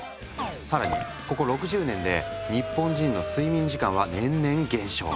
更にここ６０年で日本人の睡眠時間は年々減少。